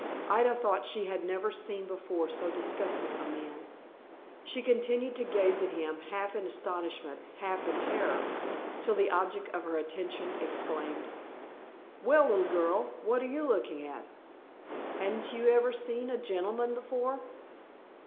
Ida thought she had never seen before so disgusting a man. She continued to gaze at him, half in astonishment, half in terror, till the object of her attention exclaimed, "Well, little girl, what you're looking at? Hain't you never seen a gentleman before?"